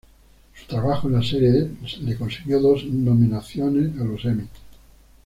Su trabajo en la serie le consiguió dos nominaciones a los Emmy.